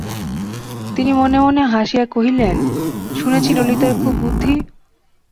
তিনি মনে মনে হাসিয়া কহিলেন, শুনেছি ললিতার খুব বুদ্ধি।